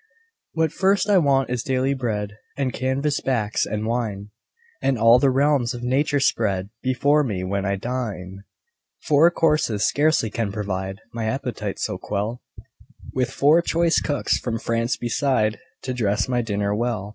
What first I want is daily bread And canvas backs, and wine And all the realms of nature spread Before me, when I dine. Four courses scarcely can provide My appetite to quell; With four choice cooks from France beside, To dress my dinner well.